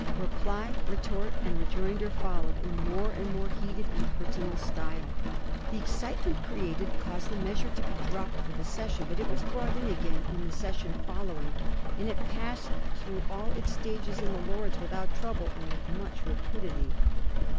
Reply, retort, and rejoinder followed in more and more heated and personal style. The excitement created caused the measure to be dropped for the session ; but it was brought in again in the session following, and it passed through all its stages in the Lords without trouble and with muclT rapidity.